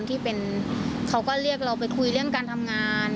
ที่เป็นเขาก็เรียกเราไปคุยเรื่องการทำงาน